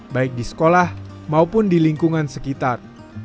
baik di sekolah maupun di lingkungan sekitar